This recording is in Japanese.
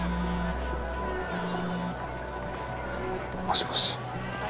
もしもし。